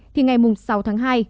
thì ngày sáu tháng hai